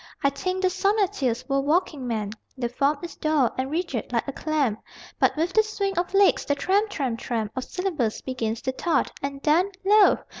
I think the sonneteers were walking men: The form is dour and rigid, like a clamp, But with the swing of legs the tramp, tramp, tramp Of syllables begins to thud, and then Lo!